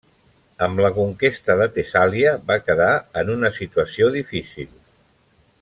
Amb la conquesta de Tessàlia va quedar en una situació difícil.